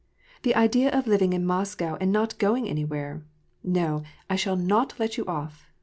" The idea of living in Moscow and not going anywhere ! No, I shall not let you off.